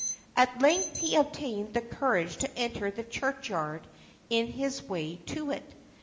At length he obtained the courage to enter the churchyard in his way to it.